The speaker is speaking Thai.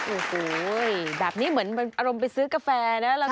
โอ้โหแบบนี้เหมือนอารมณ์ไปซื้อกาแฟนะ